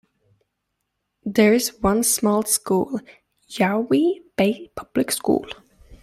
There is one small school, Yowie Bay Public School.